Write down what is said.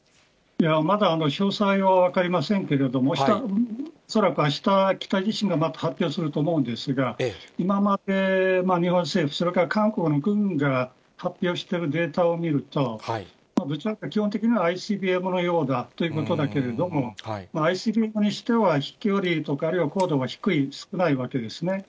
まだ詳細は分かりませんけれども、恐らくあした、北自身がまた発表すると思うんですが、今まで日本政府、それから韓国の軍が発表してるデータを見ると、基本的にはＩＣＢＭのようなということだけれども、どうもＩＣＢＭにしては飛距離とか、あるいは高度が低い、少ないわけですね。